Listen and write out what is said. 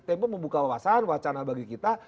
tempo membuka wawasan wacana bagi kita